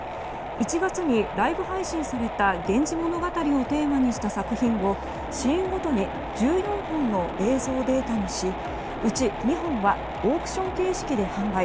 １月にライブ配信された「源氏物語」をテーマにした作品を支援ごとに１４本の映像データにし内２本はオークション形式で販売。